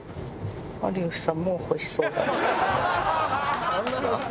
有吉さんも欲しそうだった。